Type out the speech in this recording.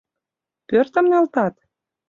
Пӧртым нӧлтат?..